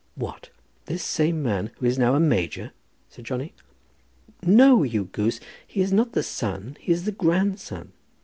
"What; this same man who is now a major?" said Johnny. "No, you goose. He is not the son; he is the grandson.